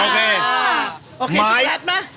ชุดแลชนะบ๊วยไม้